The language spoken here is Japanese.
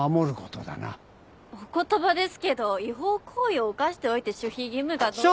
お言葉ですけど違法行為を犯しておいて守秘義務がどうとか。